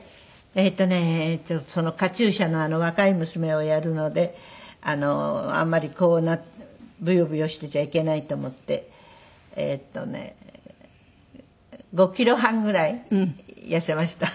えっとね『カチューシャ』の若い娘をやるのであんまりブヨブヨしていちゃいけないと思ってえっとね５キロ半ぐらい痩せました。